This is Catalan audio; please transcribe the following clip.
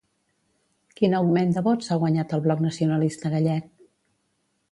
Quin augment de vots ha guanyat el Bloc Nacionalista Gallec?